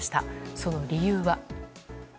その理由は。